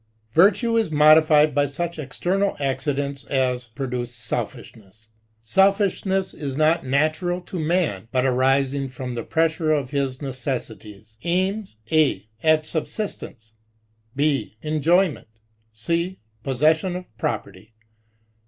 Virtue is modified by such external accidents as produce selfishness. SeJfiahness not natural to many but arising from the pressure of his necessities. Aims (a) at subsistence, (b) enjoy ment, (c) possession of property.